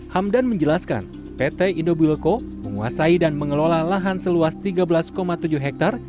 hamdan menjelaskan pt indobuilko menguasai dan mengelola lahan seluas tiga belas tujuh hektare